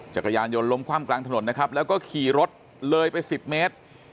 จักรยานยนต์ล้มคว่ำกลางถนนนะครับแล้วก็ขี่รถเลยไป๑๐เมตร